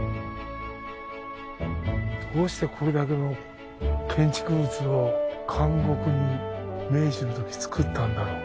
どうしてこれだけの建築物を監獄に明治のときつくったんだろう。